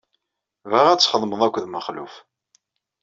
Bɣiɣ ad txedmeḍ akked Mexluf.